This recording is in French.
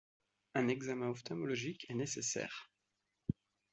Un examen ophtalmologique est nécessaire.